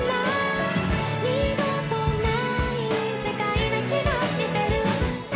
「二度とない世界な気がしてる」